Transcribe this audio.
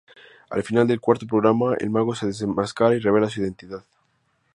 Al final del cuarto programa, el mago se desenmascara y revela su identidad.